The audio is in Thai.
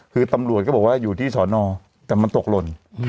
คือตำรวจก็บอกว่าอยู่ที่สอนอแต่มันตกหล่น